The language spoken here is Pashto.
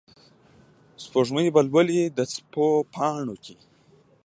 سپوږمۍ به لولي د څپو پاڼو کې